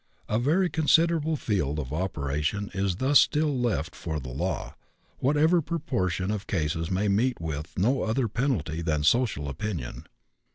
A very considerable field of operation is thus still left for the law, whatever proportion of cases may meet with no other penalty than social opinion.